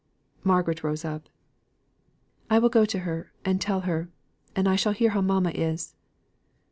Margaret rose up. "I will go to her, and tell her. And I shall hear how mamma is."